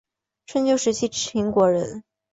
春秋时期秦国人。